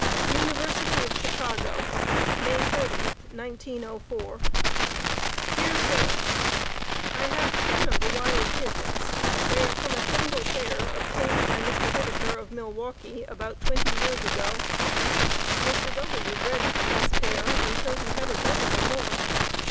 University of Chicago, May 30, 1904. Dear Sir: I have ten of the wild pigeons; they are from a single pair obtained by Mr. Whittaker of Milwaukee about twenty years ago. Mr. W. bred from this pair until he had a dozen or more.